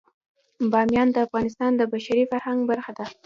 بامیان د افغانستان د بشري فرهنګ برخه ده.